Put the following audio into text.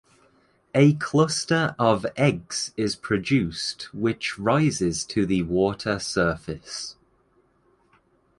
A cluster of eggs is produced which rises to the water surface.